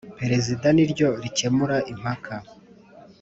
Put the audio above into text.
Perezida niryo rikemura impaka